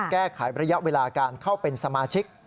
แก้ไขระยะเวลาการเข้าเป็นสมาชิก